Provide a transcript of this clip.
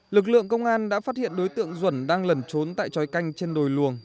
lực lượng công an đã phát hiện đối tượng duẩn đang lẩn trốn tại trói canh trên đồi luồng